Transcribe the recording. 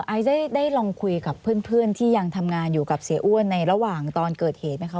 ไอซ์ได้ลองคุยกับเพื่อนที่ยังทำงานอยู่กับเสียอ้วนในระหว่างตอนเกิดเหตุไหมคะ